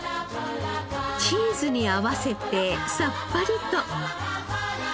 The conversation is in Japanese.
チーズに合わせてさっぱりと。